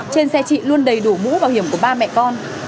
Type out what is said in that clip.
trên xe chị luôn đầy đủ mũ bảo hiểm của ba mẹ con